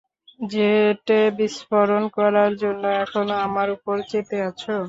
জেটে বিস্ফোরণ করার জন্য এখনো আমার ওপর চেতে আছো?